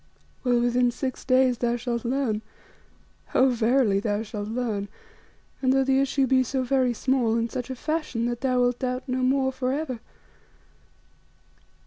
Well, within six days thou shalt learn oh! verily thou shalt learn, and, though the issue be so very small, in such a fashion that thou wilt doubt no more for ever.